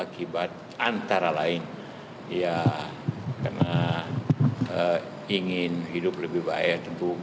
karena ingin hidup lebih baik tentu